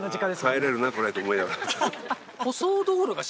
帰れるなこれと思いながらそうですね